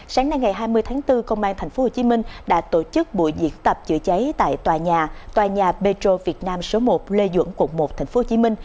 sáng nay ngày hai mươi tháng bốn công an tp hcm đã tổ chức buổi diễn tập chữa cháy tại tòa nhà tòa nhà petro việt nam số một lê duẩn quận một tp hcm